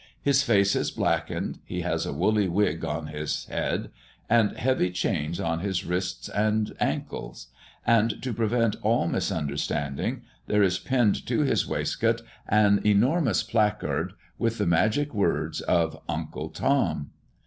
His face is blackened, he has a woolly wig on his head, and heavy chains on his wrists and ancles; and to prevent all misunderstandings, there is pinned to his waistcoat an enormous placard, with the magic words of "UNCLE TOM."